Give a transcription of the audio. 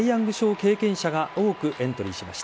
経験者が多くエントリーしました。